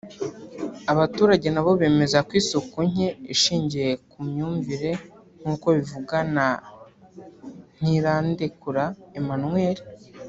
Abaturage nabo bemeza ko isuku nke ishingiye ku myumvire nk’uko bivugwa na Ntirandekura Emmanuel